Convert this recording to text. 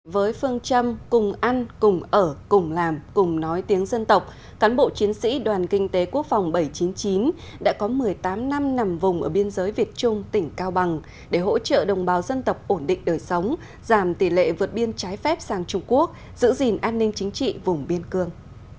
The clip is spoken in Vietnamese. với phương châm cùng ăn cùng ở cùng làm cùng nói tiếng dân tộc cán bộ chiến sĩ đoàn kinh tế quốc phòng bảy trăm chín mươi chín đã có một mươi tám năm nằm vùng ở biên giới việt trung tỉnh cao bằng để hỗ trợ đồng bào dân tộc ổn định đời sống giảm tỷ lệ vượt biên trái phép sang trung quốc giữ gìn an ninh chính trị vùng biên cương